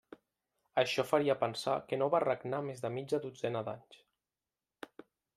Això faria pensar que no va regnar més de mitja dotzena d'anys.